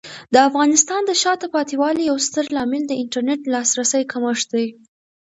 د افغانستان د شاته پاتې والي یو ستر عامل د انټرنیټ لاسرسي کمښت دی.